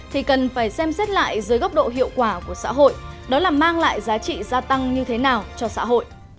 thì cần phải xem xét lại dưới góc độ hiệu quả của xã hội đó là mang lại giá trị gia tăng như thế nào cho xã hội